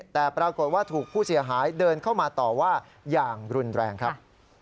แต่ปรากฏว่าถูกผู้เสียหายเดินเข้ามาต่อว่าอย่างรุนแรงครับ